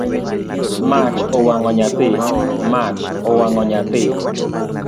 Mach owango nyathi